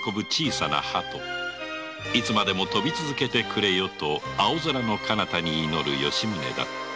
いつまでも飛び続けてくれよと青空のかなたに祈る吉宗だった